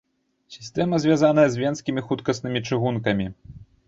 Сістэма звязаная з венскімі хуткаснымі чыгункамі.